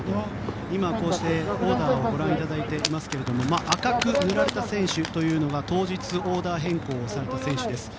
今、オーダーをご覧いただいていますが赤く塗られた選手が当日オーダー変更された選手です。